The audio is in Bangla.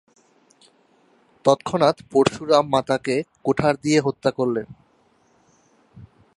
তৎক্ষণাৎ পরশুরাম মাতাকে কুঠার দিয়ে হত্যা করলেন।